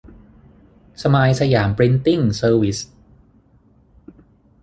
สไมล์ สยาม พริ้นติ้ง เซอร์วิส